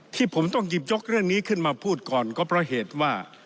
ที่ผมต้องหยิบยกเรื่องนี้ขึ้นมาพูดก่อนก็เพราะเหตุว่า